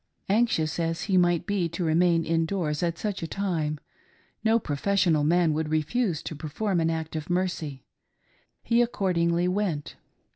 Anxious as he might be to remain in doors at such a time, no professional man would refuse to perform an act of mercy. He accordmgly went.